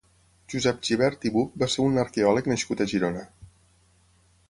Josep Gibert i Buch va ser un arqueòleg nascut a Girona.